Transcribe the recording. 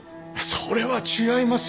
それは違いますよ。